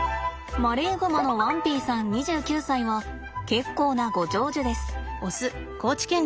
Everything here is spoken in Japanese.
マレーグマのワンピイさん２９歳は結構なご長寿です。